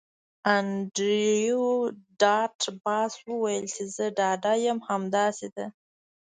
انډریو ډاټ باس وویل چې زه ډاډه یم همداسې ده